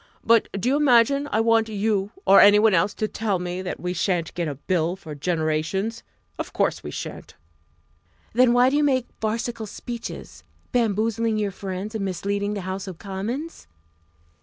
But do you imagine I want you or any one else to tell me that we shan't get such a Bill for generations? Of course we shan't!" "Then why do you make farcical speeches, bamboozling your friends and misleading the House of Commons?"